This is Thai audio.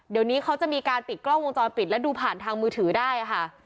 เดี๋ยวนี้เขาจะมีการติดกล้องวงจรปิดและดูผ่านทางมือถือได้ค่ะ